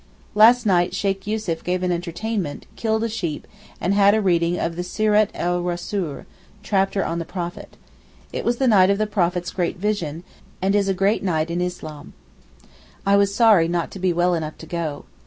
Last night Sheykh Yussuf gave an entertainment, killed a sheep, and had a reading of the Sirat er Russoul (Chapter on the Prophet). It was the night of the Prophet's great vision, and is a great night in Islam. I was sorry not to be well enough to go.